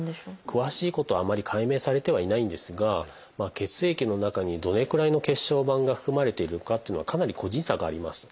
詳しいことはあまり解明されてはいないんですが血液の中にどれくらいの血小板が含まれているかっていうのはかなり個人差があります。